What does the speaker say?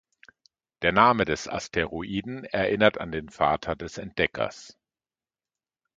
Der Name des Asteroiden erinnert an den Vater des Entdeckers.